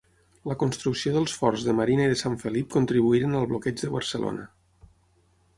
La construcció dels forts de Marina i de Sant Felip contribuïren al bloqueig de Barcelona.